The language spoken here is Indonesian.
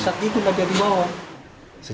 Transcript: sampai itu lagi di bawah